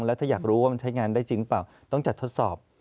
แล้วถ้าอยากรู้ว่ามันใช้งานได้จริงหรือเปล่าต้องจัดทดสอบ